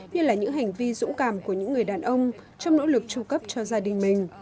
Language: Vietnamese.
như là những hành vi dũng cảm của những người đàn ông trong nỗ lực trung cấp cho gia đình mình